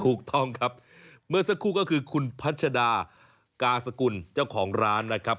ถูกต้องครับเมื่อสักครู่ก็คือคุณพัชดากาสกุลเจ้าของร้านนะครับ